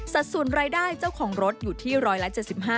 ส่วนรายได้เจ้าของรถอยู่ที่ร้อยละ๗๕